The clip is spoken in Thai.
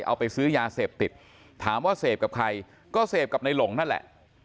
เอาไปซื้อยาเสพติดถามว่าเสพกับใครก็เสพกับในหลงนั่นแหละ